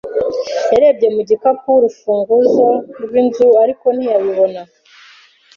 Yarebye mu gikapu cye urufunguzo rw'inzu, ariko ntiyabibona.